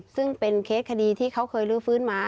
ซึ่งเป็นเคสคดีที่เขาเคยลื้อฟื้นมา